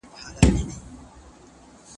کم غوښه خوراک د چاپیریال لپاره ګټور دی.